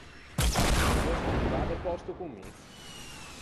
Ti veu scangiâ de pòsto con mi?